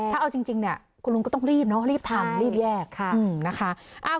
ถ้าเอาจริงเนี่ยคุณลุงก็ต้องรีบเนอะรีบทำรีบแยกนะคะ